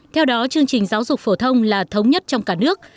theo đó chương trình giáo dục phổ thông là thống nhất trong cả nước